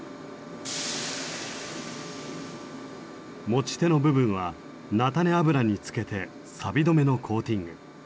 持ち手の部分は菜種油につけてサビ止めのコーティング。